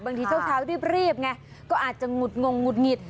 เช้ารีบไงก็อาจจะหงุดงงหุดหงิด